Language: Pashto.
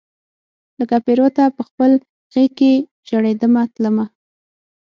لکه پیروته پخپل غیږ کې ژریدمه تلمه